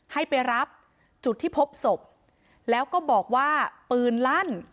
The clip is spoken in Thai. ให้ไปรับจุดที่พบศพแล้วก็บอกว่าปืนลั่น